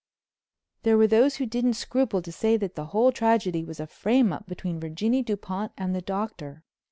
There were those who didn't scruple to say that the whole tragedy was a frame up between Virginie Dupont and the Doctor.